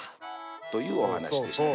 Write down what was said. というお話でしたね。